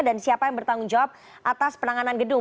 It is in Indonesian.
dan siapa yang bertanggung jawab atas penanganan gedung